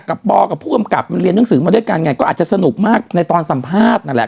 ปอกับผู้กำกับมันเรียนหนังสือมาด้วยกันไงก็อาจจะสนุกมากในตอนสัมภาษณ์นั่นแหละ